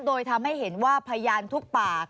โดยทำให้เห็นว่าพยานทุกปาก